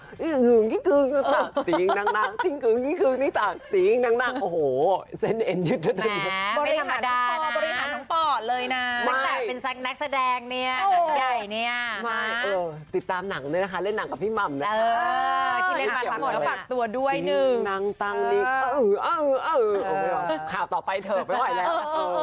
ทิ้งกึ้งทิ้งกึ้งนี่ตากทิ้งกึ้งนี่ตากทิ้งกึ้งนี่ตากทิ้งกึ้งนี่ตากทิ้งกึ้งนี่ตากทิ้งกึ้งนี่ตากทิ้งกึ้งนี่ตากทิ้งกึ้งนี่ตากทิ้งกึ้งนี่ตากทิ้งกึ้งนี่ตากทิ้งกึ้งนี่ตากทิ้งกึ้งนี่ตากทิ้งกึ้งนี่ตากทิ้งกึ้งนี่ตากทิ้งกึ้งนี่ตากทิ้ง